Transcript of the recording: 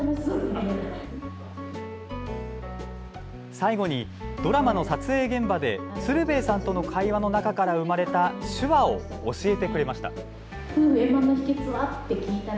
最後にドラマの撮影現場で鶴瓶さんとの会話の中から生まれた手話を教えてくれました。